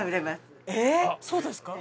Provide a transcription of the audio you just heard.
そうですか？